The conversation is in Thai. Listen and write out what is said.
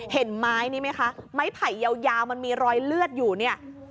เห็นไม้นี้ไหมคะไม้ไผ่ยาวมันมีรอยเลือดอยู่เนี่ย